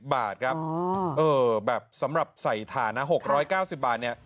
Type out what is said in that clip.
๕๙๐บาทครับสำหรับใส่ฐาน๖๙๐บาทเนี่ย